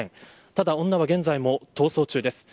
ただ、女は現在も逃走中です。